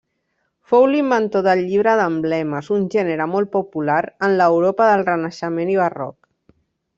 Fou l'inventor del llibre d'emblemes, un gènere molt popular en l'Europa del Renaixement i Barroc.